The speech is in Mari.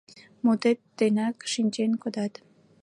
Мутет денак шинчен кодат.